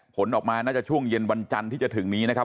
ผลออกมาน่าจะช่วงเย็นวันจันทร์ที่จะถึงนี้นะครับ